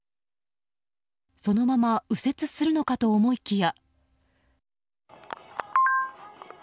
そのまま右折するのかと思いきや。